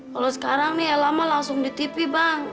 kalau sekarang nih lama langsung di tv bang